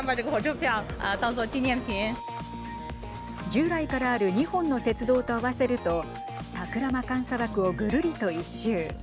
従来からある２本の鉄道と合わせるとタクラマカン砂漠をぐるりと一周。